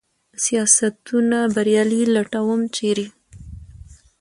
سیاستونه بریالي لټوم ، چېرې ؟